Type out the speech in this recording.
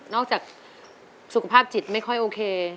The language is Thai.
จากสุขภาพจิตไม่ค่อยโอเค